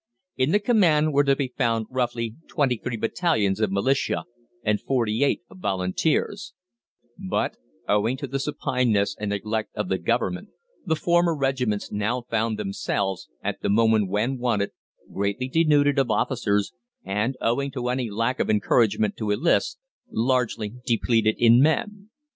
In the command were to be found roughly twenty three battalions of Militia and forty eight of Volunteers; but, owing to the supineness and neglect of the Government, the former regiments now found themselves, at the moment when wanted, greatly denuded of officers, and, owing to any lack of encouragement to enlist, largely depleted in men.